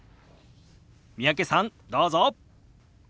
三宅さんどうぞ！